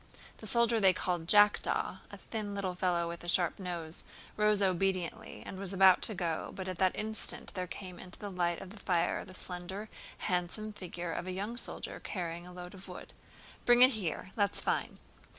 The soldier they called "Jackdaw," a thin little fellow with a sharp nose, rose obediently and was about to go but at that instant there came into the light of the fire the slender, handsome figure of a young soldier carrying a load of wood. "Bring it here—that's fine!"